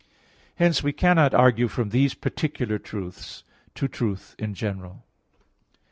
Hence we cannot argue from these particular truths to truth in general.